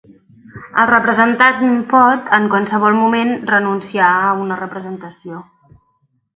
El representant pot, en qualsevol moment, renunciar a una representació.